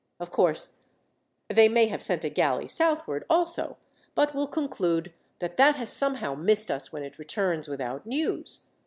Of course they may have sent a galley southward also, but will conclude that that has somehow missed us when it returns without news.